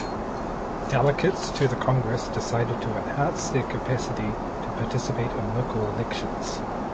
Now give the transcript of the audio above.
Delegates to the congress decided to enhance their capacity to participate in local elections.